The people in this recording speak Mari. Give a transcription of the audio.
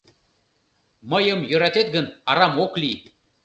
Мыйым йӧратет гын, арам ок лий.